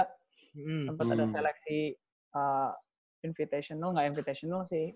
tempat ada seleksi invitational nggak invitational sih